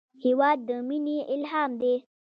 هېواد د مینې الهام دی.